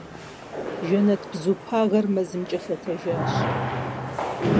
Жэнэтбзу пагэр мэзымкӏэ лъэтэжащ.